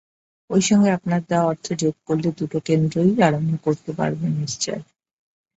ঐ সঙ্গে আপনার দেওয়া অর্থ যোগ করলে দুটো কেন্দ্রই আরম্ভ করতে পারব নিশ্চয়।